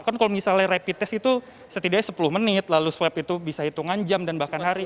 kan kalau misalnya rapid test itu setidaknya sepuluh menit lalu swab itu bisa hitungan jam dan bahkan hari